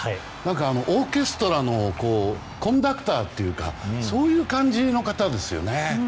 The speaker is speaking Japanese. オーケストラのコンダクターというかそういう感じの方ですよね。